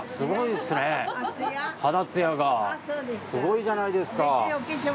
すごいじゃないですか。